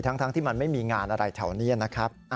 ทั้งที่มันไม่มีงานอะไรแถวนี้นะครับ